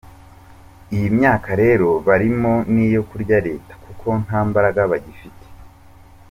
Iyi myaka rero barimo ni iyo kurya leta kuko nta mbaraga bagifite.